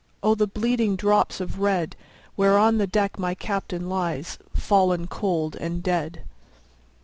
5 O the bleeding drops of red! Where on the deck my Captain lies, Fallen cold and dead.